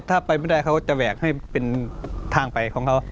ถ้าไปไม่ได้เขาจะแหวกให้เป็นทางไปของเขา